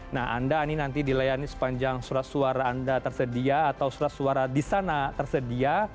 nah anda ini nanti dilayani sepanjang surat suara anda tersedia atau surat suara di sana tersedia